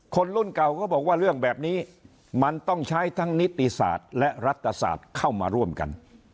คนรุ่นเก่าก็บอกว่าเรื่องแบบนี้มันต้องใช้ทั้งนิติศาสตร์และรัฐศาสตร์เข้ามาร่วมกัน